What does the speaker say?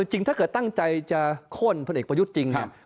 จริงถ้าเกิดตั้งใจจะโค้นพลเอกประยุทธ์จริงเนี่ย